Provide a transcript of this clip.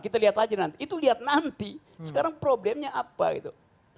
kita lihat aja nanti itu lihat nanti sekarang problemnya apa gitu